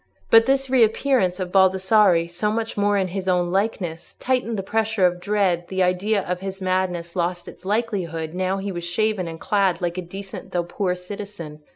But this reappearance of Baldassarre so much more in his own likeness tightened the pressure of dread: the idea of his madness lost its likelihood now he was shaven and clad like a decent though poor citizen.